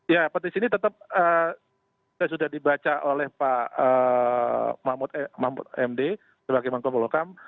ya petisi ini tetap sudah dibaca oleh pak mahmud md sebagai mangkum polokam